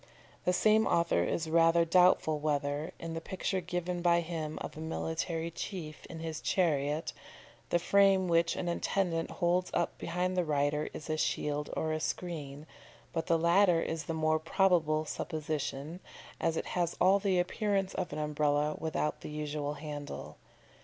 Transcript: The same author is rather doubtful whether, in the picture given by him of a military chief in his chariot, the frame which an attendant holds up behind the rider is a shield or a screen, but the latter is the more probable supposition, as it has all the appearance of an Umbrella without the usual handle.